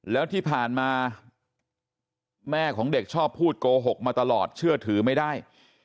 แล้วที่ผ่านมาแม่ของเด็กชอบพูดโกหกมาตลอดเชื่อถือไม่ได้